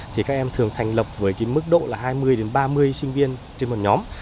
thì các em thường thành lập với mức độ hai mươi đến ba mươi sinh viên trên một nhóm